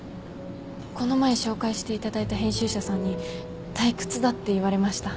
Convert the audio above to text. この前紹介していただいた編集者さんに退屈だって言われました。